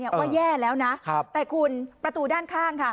ว่าแย่แล้วนะแต่คุณประตูด้านข้างค่ะ